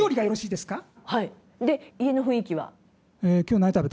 で家の雰囲気は？